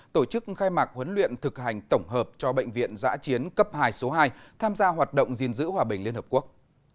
tổ chức khai mạc huấn luyện thực hành tổng hợp cho bệnh viện giã chiến cấp hai số hai tham gia hoạt động gìn giữ hòa bình liên hợp quốc